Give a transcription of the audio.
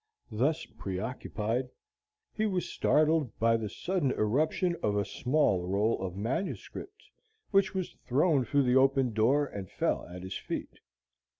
Thus preoccupied, he was startled by the sudden irruption of a small roll of manuscript, which was thrown through the open door and fell at his feet.